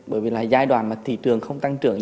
bởi vì là giai đoạn mà thị trường không tăng trưởng